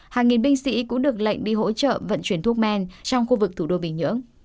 hàng nghìn binh sĩ cũng được lệnh đi hỗ trợ vận chuyển thuốc men trong khu vực thủ đô bình nhưỡng